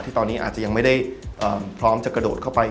ตอนนี้อาจจะยังไม่ได้พร้อมจะกระโดดเข้าไป